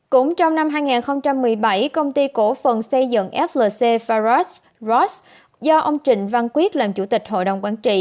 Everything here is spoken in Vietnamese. cũng trong năm hai nghìn một mươi bảy công ty cổ phần xây dựng flc farates ross do ông trịnh văn quyết làm chủ tịch hội đồng quản trị